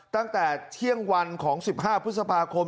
ตั้งแต่เที่ยงวันของ๑๕พฤษภาคม